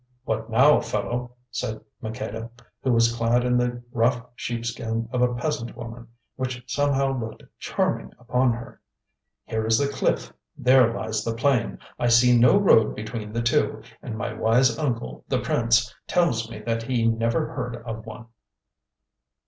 "What now, fellow," said Maqueda, who was clad in the rough sheepskin of a peasant woman, which somehow looked charming upon her. "Here is the cliff, there lies the plain; I see no road between the two, and my wise uncle, the prince, tells me that he never heard of one."